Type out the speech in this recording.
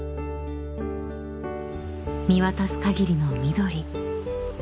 ［見渡す限りの緑］